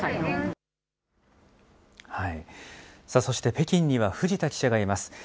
そして北京には藤田記者がいます。